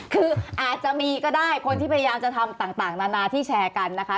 คืออาจจะมีก็ได้คนที่พยายามจะทำต่างนานาที่แชร์กันนะคะ